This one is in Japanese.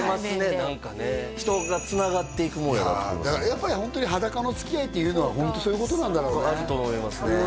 何かね人がつながっていくもんやと思いますねだからやっぱりホントに裸のつきあいっていうのはホントそういうことなんだろうねあると思いますね